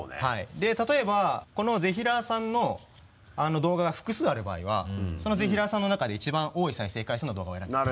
で例えばこのぜひらーさんの動画が複数ある場合はそのぜひらーさんの中で一番多い再生回数の動画を選んでます。